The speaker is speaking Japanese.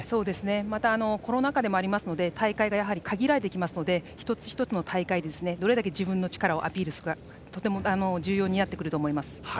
またコロナ禍でもありますので大会が限られてきますので一つ一つの大会にどれだけ自分の力をアピールするかとても重要になってくると思います。